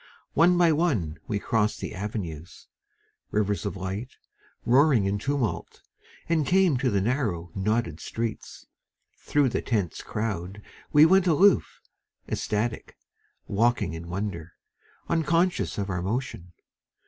One by one we crossed the avenues, Rivers of light, roaring in tumult, And came to the narrow, knotted streets. Thru the tense crowd We went aloof, ecstatic, walking in wonder, Unconscious of our motion.